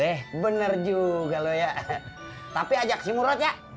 eh bener juga loh ya tapi ajak si murot ya